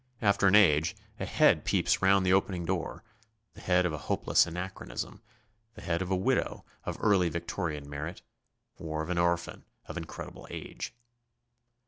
After an age a head peeps round the opening door, the head of a hopeless anachronism, the head of a widow of early Victorian merit, or of an orphan of incredible age.